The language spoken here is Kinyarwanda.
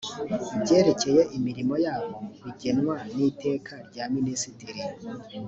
ibyerekeye imirimo yabo bigenwa n’iteka rya minisitiri